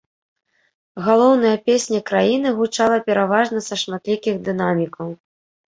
Галоўная песня краіны гучала пераважна са шматлікіх дынамікаў.